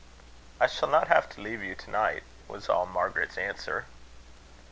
"I shall not have to leave you to night," was all Margaret's answer.